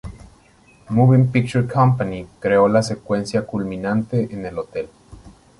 Moving Picture Company creó la secuencia culminante en el hotel.